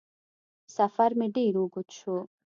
سفر مې ډېر اوږد شو